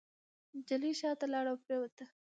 نجلۍ شاته لاړه او پرېوته.